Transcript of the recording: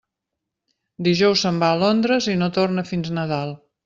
Dijous se'n va a Londres i no torna fins Nadal.